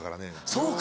そうか。